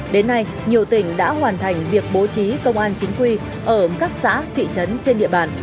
đến nay nhiều tỉnh đã hoàn thành việc bố trí công an chính quy ở các xã thị trấn trên địa bàn